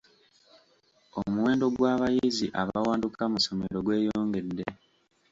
Omuwendo gw'abayizi abawanduka mu ssomero gweyongedde.